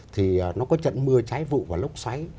thì nó có trận mưa trái vụ và lốc xoáy